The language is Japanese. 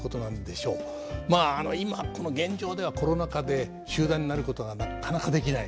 まあ今この現状ではコロナ禍で集団になることがなかなかできない。